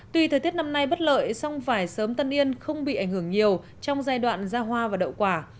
tuy thời tiết năm nay bất lợi song phải sớm tân yên không bị ảnh hưởng nhiều trong giai đoạn ra hoa và đậu quả